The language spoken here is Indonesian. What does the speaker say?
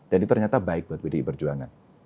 dan itu ternyata baik buat pdi perjuangan